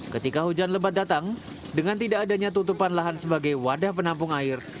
ketika hujan lebat datang dengan tidak adanya tutupan lahan sebagai wadah penampung air